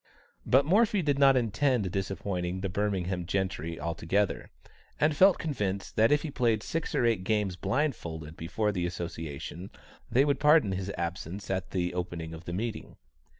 But Morphy did not intend disappointing the Birmingham gentry altogether, and felt convinced that if he played six or eight games blindfold before the association, they would pardon his absence at the opening of the meeting.